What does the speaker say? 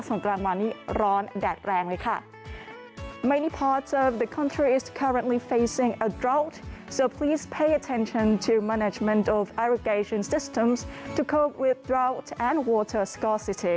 ส่วนกลางวันนี้ร้อนแดดแรงเลยค่ะ